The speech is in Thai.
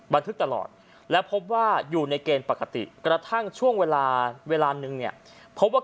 บันธึกตลอดและพบว่าอยู่ในเกณฑ์ปกติกระท่างช่วงเวลานึงพบว่า